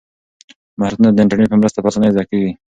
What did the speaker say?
مهارتونه د انټرنیټ په مرسته په اسانۍ زده کیږي.